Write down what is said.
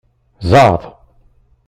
Zɛeḍ.